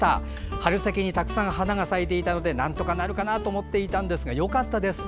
春先にたくさんの花が咲いていたのでなんとかなるかなと思っていたんですがよかったです。